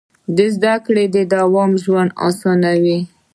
د زده کړې دوام ژوند اسانوي.